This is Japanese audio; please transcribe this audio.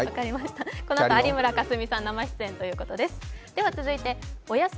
このあと有村架純さん、生出演ということです。